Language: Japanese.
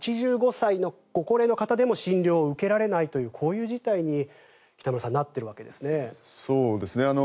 ８５歳のご高齢の方でも診療を受けられないというこういう事態に北村さんなっているわけですね。